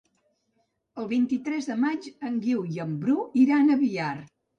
El vint-i-tres de maig en Guiu i en Bru iran a Biar.